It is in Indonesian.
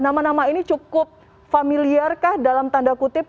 nama nama ini cukup familiarkah dalam tanda kutip